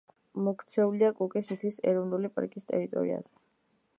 მოქცეულია კუკის მთის ეროვნული პარკის ტერიტორიაზე.